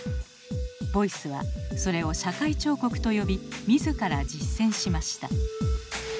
ボイスはそれを「社会彫刻」と呼び自ら実践しました。